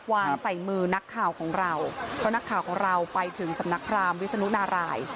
วางใส่มือนักข่าวของเราเพราะนักข่าวของเราไปถึงสำนักพรามวิศนุนาราย